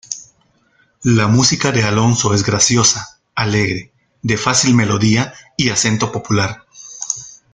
La música de Alonso es graciosa, alegre, de fácil melodía y acento popular.